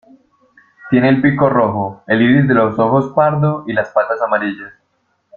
Tiene el pico rojo, el iris de los ojos pardo y las patas amarillas.